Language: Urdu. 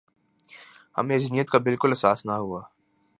ہمیں اجنبیت کا بالکل احساس نہ ہوا